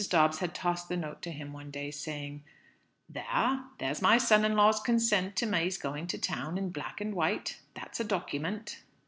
Dobbs had tossed the note to him one day, saying "There; there's my son in law's consent to May's going to town, in black and white. That's a document."